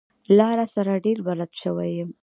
لاره سره ډېر بلد شوی يم.